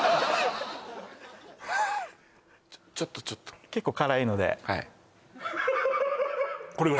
ちょっとちょっと結構辛いのでこれぐらい？